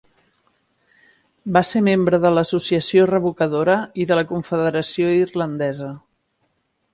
Va ser membre de l'Associació Revocadora i de la Confederació Irlandesa.